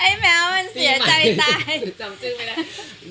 ไอ้แมวมันเสียใจตาย